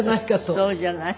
そうじゃない？